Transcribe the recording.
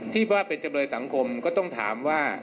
ที่ว่าเป็นจำเลยสังคมก็ต้องถามว่า